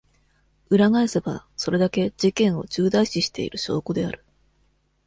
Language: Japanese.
裏返せば、それだけ、事件を重大視している証拠である。